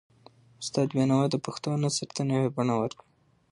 استاد بینوا د پښتو نثر ته نوي بڼه ورکړه.